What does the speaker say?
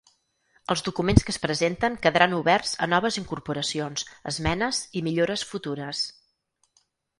Els documents que es presenten quedaran oberts a noves incorporacions, esmenes i millores futures.